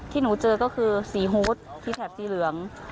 ที่หนูเจอก็คือสีฮูตที่แถบสีเหลือง